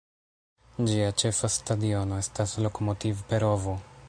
Ĝia ĉefa stadiono estas Lokomotiv-Perovo.